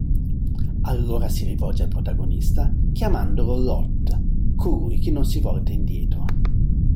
Allora si rivolge al protagonista chiamandolo Lot, Colui che non si volta indietro.